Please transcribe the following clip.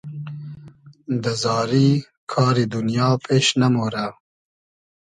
دۂ زاری کاری دونیا پېش نئمۉرۂ